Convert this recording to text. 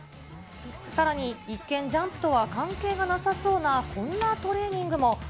さらに一見、ジャンプとは関係がなさそうなこんなトレーニングも。